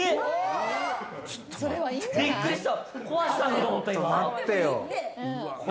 びっくりした。